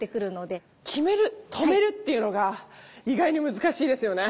極める止めるっていうのが意外に難しいですよね。